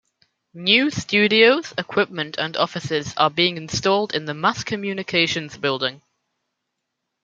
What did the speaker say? New studios, equipment, and offices are being installed in the Mass Communications Building.